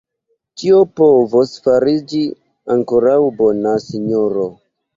Ĉio povos fariĝi ankoraŭ bona, sinjoro.